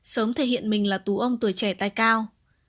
sớm thể hiện mình là tù ông tuổi trẻ tai cao